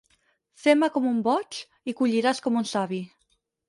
Fema com un boig i colliràs com un savi.